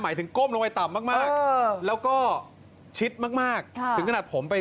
หมายถึงก้มลงไปต่ำมากแล้วก็ชิดมากถึงขนาดผมไป